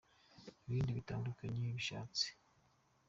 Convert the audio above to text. Ibindi bitandukanye bishatse.